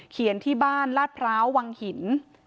ที่บ้านลาดพร้าววังหิน